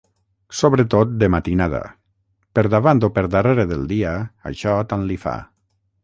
Sobretot de matinada, per davant o per darrere del dia, això tant li fa.